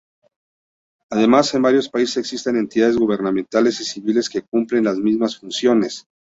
Además, en varios países existen entidades gubernamentales y civiles que cumplen las mismas funciones.